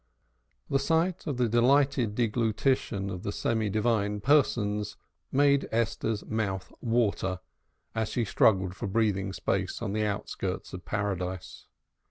The sight of the delighted deglutition of the semi divine persons made Esther's mouth water as she struggled for breathing space on the outskirts of Paradise.